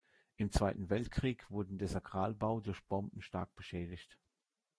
Im Zweiten Weltkrieg wurde der Sakralbau durch Bomben stark beschädigt.